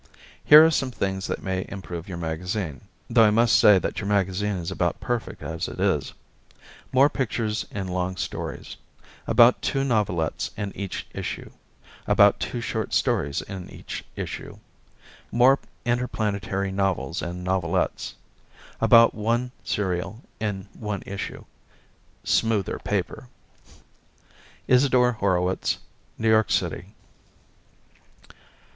Here are some things that may improve your magazine (though I must say that your magazine is about perfect as it is): More pictures in long stories; about two novelettes in each issue; about two short stories in each issue; more interplanetary novels and novelettes; about one serial in one issue; smoother paper. Isidore Horowitz, 1161 Stratford Avenue, New York City.